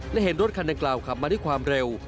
และเห็นรถคันดังกล่าวขับมาด้วยความเร็ว